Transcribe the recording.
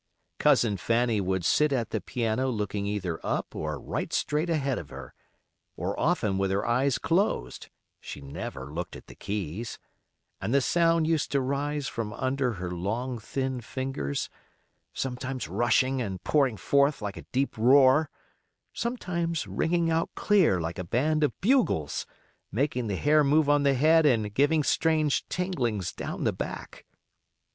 Cousin Fanny would sit at the piano looking either up or right straight ahead of her, or often with her eyes closed (she never looked at the keys), and the sound used to rise from under her long, thin fingers, sometimes rushing and pouring forth like a deep roar, sometimes ringing out clear like a band of bugles, making the hair move on the head and giving strange tinglings down the back.